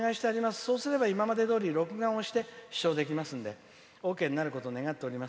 そうすれば今までどおり録画をして視聴できますのでオーケーになることを願っております。